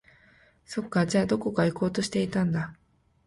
そっか、じゃあ、どこか行こうとしていたんだ